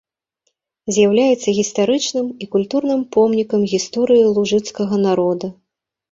З'яўляецца гістарычным і культурным помнікам гісторыі лужыцкага народа.